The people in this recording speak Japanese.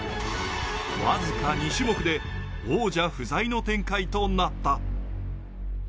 僅か２種目で王者不在の展開となった。